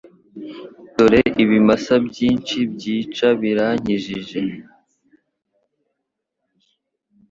Dore ibimasa byinshi byica birankikije